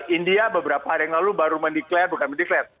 india beberapa hari yang lalu baru meniklir bukan mendiklir